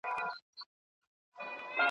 ساندي مرګونه اوري ,